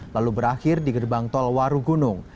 lalu berakhir di gerbang tol warugunung